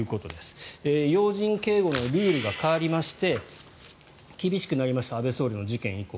要人警護のルールが変わりまして厳しくなりました安倍総理の事件以降。